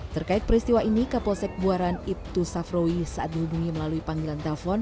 terkait peristiwa ini kapolsek buaran ibtu safrowi saat dihubungi melalui panggilan telpon